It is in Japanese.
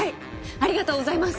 ありがとうございます。